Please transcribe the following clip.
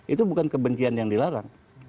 itu bukan kebencian yang dilarang